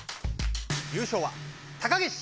優勝は高岸！